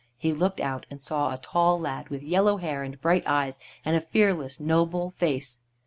He looked out and saw a tall lad with yellow hair and bright eyes, and a fearless, noble face.